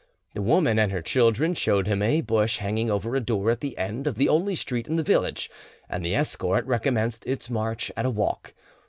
The woman and her children showed him a bush hanging over a door at the end of the only street in the village, and the escort recommenced its march at a walk.